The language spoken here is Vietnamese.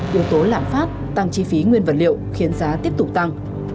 yếu tố lạm phát tăng chi phí nguyên vật liệu khiến giá tiếp tục tăng